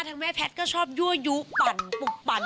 แม่แพทย์ก็ชอบยั่วยุปั่นปลุกปั่น